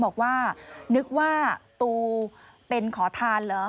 บอกว่านึกว่าตูเป็นขอทานเหรอ